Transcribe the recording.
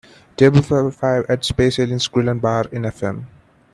table for five at Space Aliens Grill & Bar in FM